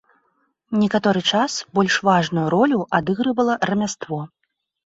Некаторы час больш важную ролю адыгрывала рамяство.